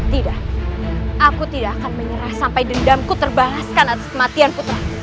tidak aku tidak akan menyerah sampai dendamku terbahaskan atas kematian putra